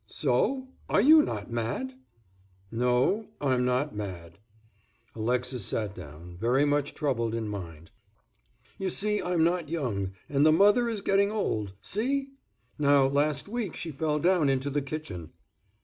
"So, are you not mad?" "No, I'm not mad." Alexis sat down, very much troubled in mind. "You see I'm not young, and the mother is getting old—see? Now, last week she fell down into the kitchen."